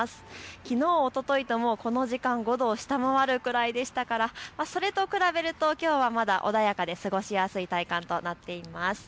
きのう、おとといとこの時間、５度を下回るくらいでしたからそれと比べるときょうはまだ穏やかで過ごしやすい体感となっています。